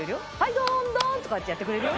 ドンドン！とかってやってくれるよ。